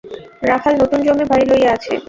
রাখাল নূতন জমি-বাড়ি লইয়া আছে।